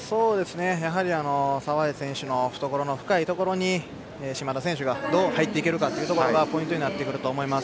やはり澤江選手の懐の深いところに嶋田選手がどう入っていけるかがポイントになってくると思います。